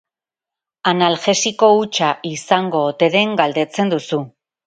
Analgesiko hutsa izango ote den galdetzen duzu.